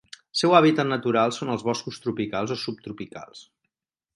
El seu hàbitat natural són els boscos tropicals o subtropicals.